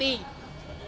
tidak ada nyata